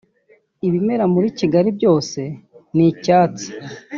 Ibimera muri Kigali byose ni icyatsi